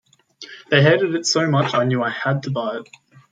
They hated it so much I knew I had to buy it.